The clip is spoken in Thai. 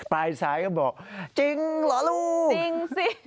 ปลายซ้ายก็บอกจริงเหรอลูกจริงสิ